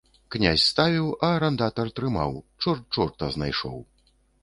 Князь ставіў, а арандатар трымаў, чорт чорта знайшоў.